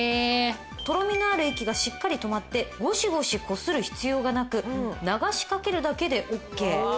とろみのある液がしっかり止まってゴシゴシこする必要がなく流しかけるだけでオッケー。